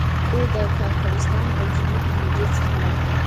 خو د کاکړستان او جنوب لوېدیځ خلک.